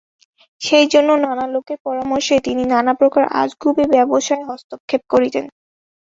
সেইজন্য নানা লোকের পরামর্শে তিনি গোপনে নানাপ্রকার আজগুবি ব্যবসায়ে হস্তক্ষেপ করিতেন।